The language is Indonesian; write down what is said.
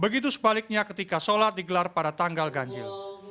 begitu sebaliknya ketika sholat digelar pada tanggal ganjil